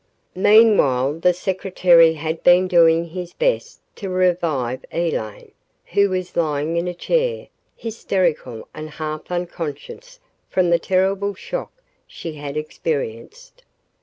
........ Meanwhile, the secretary had been doing his best to revive Elaine, who was lying in a chair, hysterical and half unconscious from the terrible shock she had experienced.